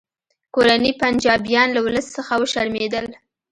کورني پنجابیان له ولس څخه وشرمیدل